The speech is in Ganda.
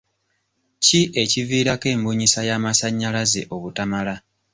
Ki ekiviirako embunyisa y'amasannyalaze obutamala?